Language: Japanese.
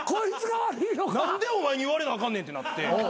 何でお前に言われなあかんねんってなって。